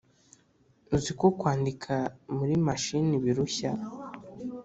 uziko kwandika muri machine birushya